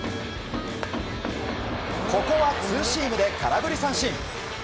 ここはツーシームで空振り三振。